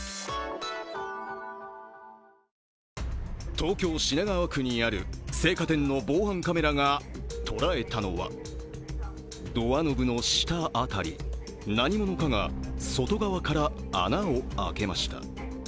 東京・品川区にある青果店の防犯カメラが捉えたのはドアノブの下辺り、何者かが外側から穴を開けました。